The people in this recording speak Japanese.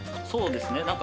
そうですね。